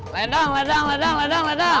ledang ledang ledang ledang